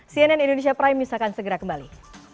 cnn indonesia prime news akan segera kembali